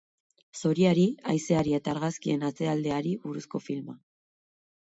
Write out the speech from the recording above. Zoriari, haizeari eta argazkien atzealdeari buruzko filma.